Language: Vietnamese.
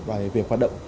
về việc hoạt động